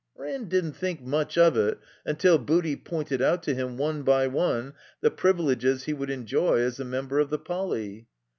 Ran didn't think much of it tmtil Booty pointed out to him, one by one, the privileges he wotdd enjoy as a member of the Poly.